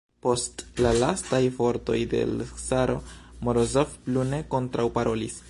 Post la lastaj vortoj de l' caro Morozov plu ne kontraŭparolis.